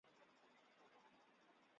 次赛季他开始执教莱切。